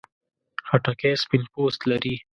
خټکی سپین پوست لري.